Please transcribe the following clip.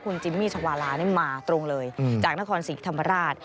คุณจิมมี่ชาวาลานี่มาตรงเลยจากนครศรีธรรมราช